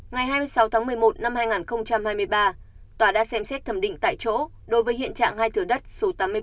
ngày hai mươi sáu tháng một mươi một năm hai nghìn hai mươi ba tòa đã xem xét thẩm định tại chỗ đối với hiện trạng hai thừa đất số tám mươi bảy tám mươi tám